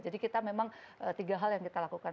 jadi kita memang tiga hal yang kita lakukan